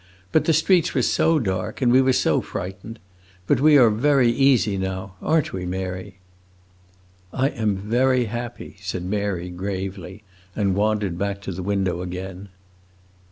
But the streets were so dark and we were so frightened! But we are very easy now; are n't we, Mary?" "I am very happy," said Mary, gravely, and wandered back to the window again.